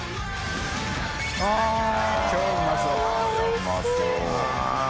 うまそう。